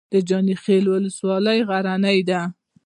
د جاني خیل ولسوالۍ غرنۍ ده